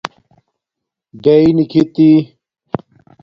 ڈیئ نکھِتی